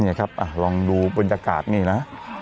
นี่ครับอ่ะลองดูบริกาศนี่น่ะ